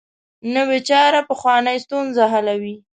نوې چاره پخوانۍ ستونزه حلوي